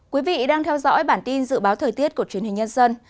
quý vị đang theo dõi bản tin dự báo thời tiết của truyền hình nhân dân